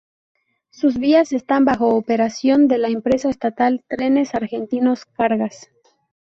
Sus vías están bajo operación de la empresa estatal Trenes Argentinos Cargas.